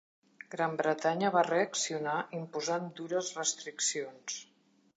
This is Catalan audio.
Gran Bretanya va reaccionar imposant dures restriccions.